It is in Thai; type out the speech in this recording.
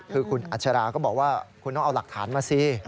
คือคุณอัชราก็บอกว่าคุณต้องเอาหลักฐานมาสิ